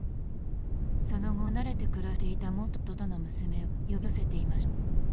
その後、離れて暮らしていた元夫との娘を呼び寄せていました。